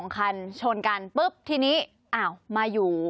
คันชนกันปุ๊บทีนี้อ้าวมาอยู่